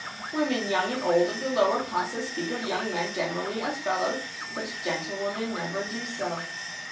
Women, young and old, of the lower classes speak of young men generally as "fellows," but gentlewomen never do so.